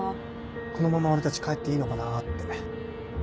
このまま俺たち帰っていいのかなって。